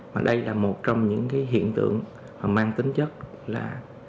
và đây là một trong những cái hiện tượng mà mang tính chất là